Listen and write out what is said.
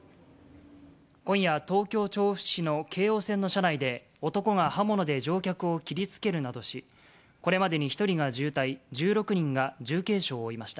今夜、東京・調布市の京王線の車内で、男が刃物で乗客を切りつけるなどし、これまでに１人が重体、１６人が重軽傷を負いました。